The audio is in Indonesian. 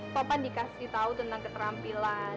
topan dikasih tau tentang keterampilan